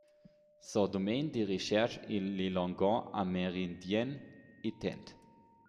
Son domaine de recherche est les langues amérindiennes éteintes.